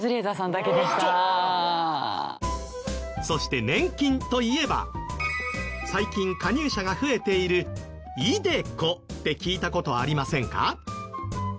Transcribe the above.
そして年金といえば最近加入者が増えているｉＤｅＣｏって聞いた事ありませんか？